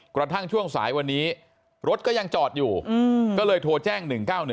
กระทั่งช่วงสายวันนี้รถก็ยังจอดอยู่ก็เลยโทรแจ้ง๑๙๑